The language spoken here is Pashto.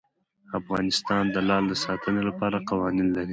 افغانستان د لعل د ساتنې لپاره قوانین لري.